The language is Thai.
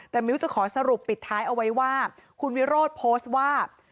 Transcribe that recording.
แต่มิ้วจะขอสรุปปิดท้ายเอาไว้ว่าคุณวิโรธโพสต์ว่า